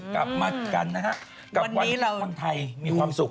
กลับมากันนะฮะกับวันที่คนไทยมีความสุข